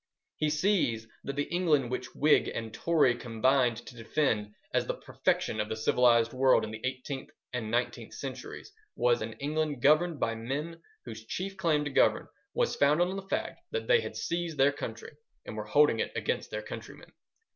He sees that the England which Whig and Tory combined to defend as the perfection of the civilized world in the eighteenth and nineteenth centuries was an England governed by men whose chief claim to govern was founded on the fact that they had seized their country and were holding it against their countrymen.